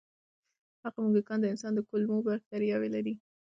هغه موږکان د انسان د کولمو بکتریاوې لري.